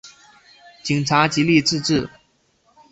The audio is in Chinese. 警察极力自制